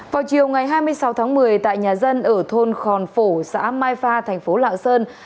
vào chiều ngày hai mươi sáu tháng một mươi tại nhà dân ở thôn khòn phổ xã mai pha thành phố lạng sơn